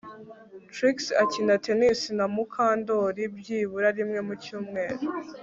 Trix akina tennis na Mukandoli byibura rimwe mu cyumweru